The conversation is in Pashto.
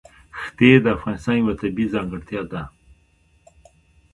ښتې د افغانستان یوه طبیعي ځانګړتیا ده.